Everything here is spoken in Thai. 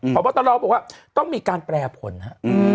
เพราะว่าต้องมีการแปรผลครับ